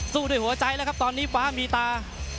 ด้วยหัวใจแล้วครับตอนนี้ฟ้ามีตา